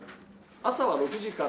朝は６時から。